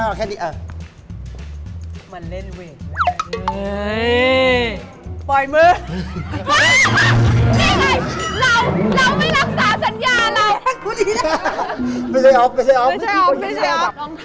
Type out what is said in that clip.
เอ้าเรานี่เราต้องปล่อยเขาดีเอาเสร็จ